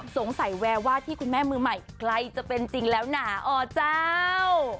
สงสัยแววว่าที่คุณแม่มือใหม่ใครจะเป็นจริงแล้วหนาอเจ้า